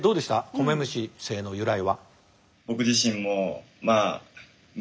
米虫姓の由来は。